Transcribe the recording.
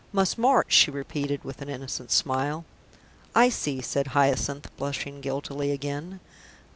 "Must march," she repeated, with an innocent smile. "I see," said Hyacinth, blushing guiltily again.